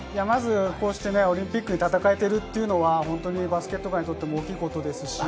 こうやってオリンピックで戦えているというのは、バスケット界にとっても大きいことです。